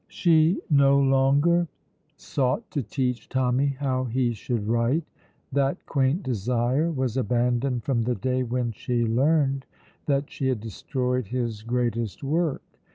She no longer sought to teach Tommy how he should write. That quaint desire was abandoned from the day when she learned that she had destroyed his greatest work.